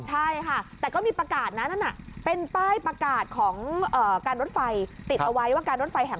ใช่ค่ะแต่ก็มีประกาศนั้น